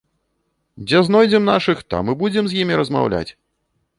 Дзе знойдзем нашых, там і будзем з імі размаўляць!